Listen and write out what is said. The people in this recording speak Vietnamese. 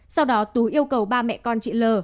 sau đó tú yêu cầu ba mẹ con chị l